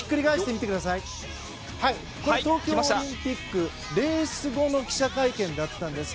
東京オリンピックレース後の記者会見だったんです。